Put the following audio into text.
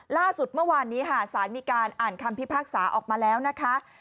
ล่าสุดเมื่อวานนี้ค่ะสารมีการอ่านคำพิพากษาออกมาแล้วนะคะ